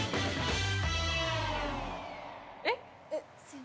えっ？